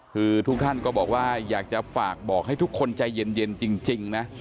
คือทุกท่านก็บอกว่าอยากจะฝากบอกให้ทุกคนใจเย็นจริงนะ